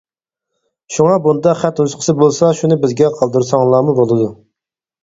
شۇڭا بۇنداق خەت نۇسخىسى بولسا شۇنى بىزگە قالدۇرساڭلارمۇ بولىدۇ.